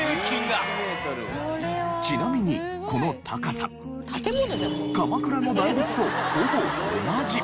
ちなみにこの高さ鎌倉の大仏とほぼ同じ。